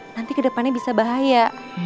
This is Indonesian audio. nanti kedepannya bisa bahaya